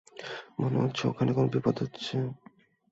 মনে হচ্ছে ওখানে কোনো বিপদ হয়েছে।